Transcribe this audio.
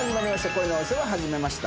『恋のお世話始めました』。